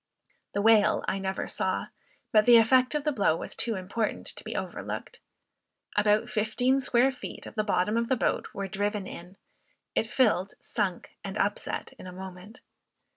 The whale I never saw, but the effect of the blow was too important to be overlooked. About fifteen square feet of the bottom of the boat were driven in; it filled, sunk, and upset in a moment.